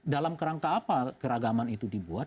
dalam kerangka apa keragaman itu dibuat